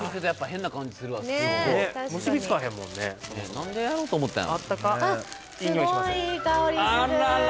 何でやろうと思ったんやろ？